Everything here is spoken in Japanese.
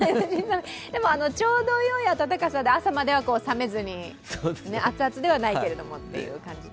でもちょうどよい暖かさで朝までは冷めずに熱々ではないけれどもという感じで。